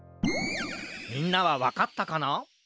みんなはわかったかな？